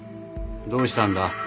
どうしたんだ？